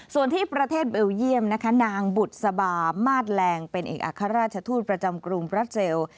ส่วนที่ประเทศเบลเยี่ยมนะคะนางบุษบามาสแรงเป็นเอกอัครราชทูตประจำกรุงบราเซล